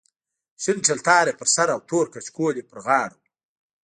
شین چلتار یې پر سر او تور کچکول یې پر غاړه و.